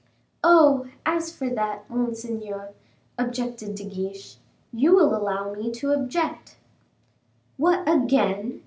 "Oh! as for that, monseigneur," objected De Guiche, "you will allow me to object." "What, again!